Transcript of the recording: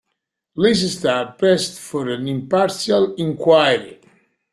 Leicester pressed for an impartial inquiry.